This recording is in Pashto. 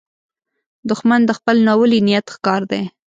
دښمن د خپل ناولي نیت ښکار دی